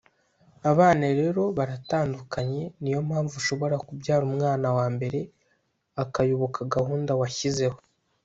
Abana rero baratandukanye niyo mpamvu ushobora kubyara umwana wa mbere akayoboka gahunda washyizeho